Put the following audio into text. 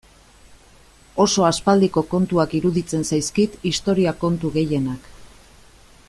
Oso aspaldiko kontuak iruditzen zaizkit historia kontu gehienak.